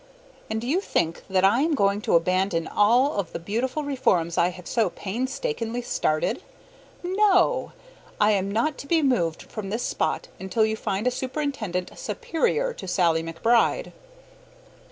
And do you think that I am going to abandon all of the beautiful reforms I have so painstakingly started? No! I am not to be moved from this spot until you find a superintendent superior to Sallie McBride.